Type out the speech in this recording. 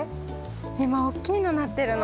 いまおっきいのなってるの！